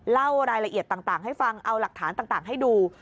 เล่ารายละเอียดต่างให้ฟังเอาหลักฐานต่างให้ดู